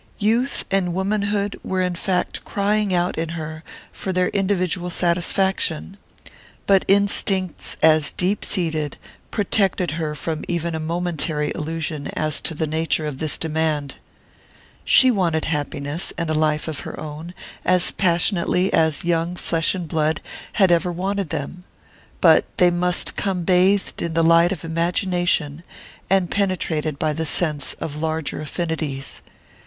Youth and womanhood were in fact crying out in her for their individual satisfaction; but instincts as deep seated protected her from even a momentary illusion as to the nature of this demand. She wanted happiness, and a life of her own, as passionately as young flesh and blood had ever wanted them; but they must come bathed in the light of imagination and penetrated by the sense of larger affinities.